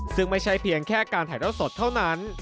ซึ่งไม่ใช่เพียงแค่การถ่ายเท่าสดเท่านั้น